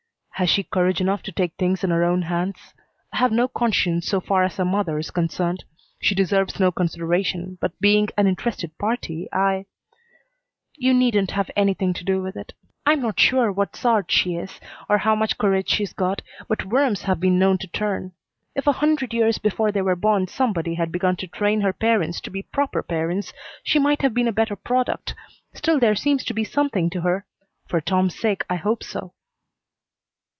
"Has she courage enough to take things in her own hands? I've no conscience so far as her mother is concerned. She deserves no consideration, but, being an interested party, I " "You needn't have anything to do with it. I'm not sure what sort she is, or how much courage she's got, but worms have been known to turn. If a hundred years before they were born somebody had begun to train her parents to be proper parents she might have been a better product, still there seems to be something to her. For Tom's sake I hope so."